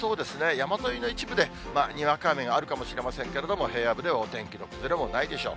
山沿いの一部で、にわか雨があるかもしれませんけれども、平野部ではお天気の崩れもないでしょう。